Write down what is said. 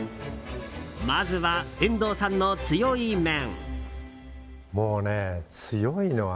まずは遠藤さんの強い面。